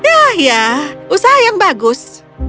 yah usaha yang bagus